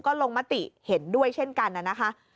ก็ลงมติเห็นด้วยเช่นกันนะคะ